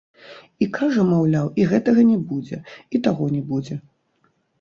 І кажа, маўляў, і гэтага не будзе, і таго не будзе.